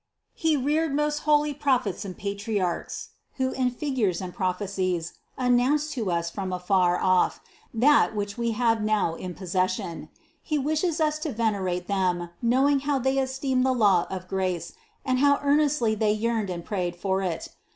He reared most holy Prophets and Patriarchs, who in figures and prophecies announced to us from far off, that, which we have now in possession. He wishes us to venerate them, knowing how they esteemed the law of grace and how earnestly they yearned and prayed for it.